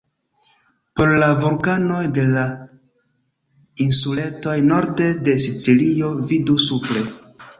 Por la vulkanoj de la insuletoj norde de Sicilio, vidu supre.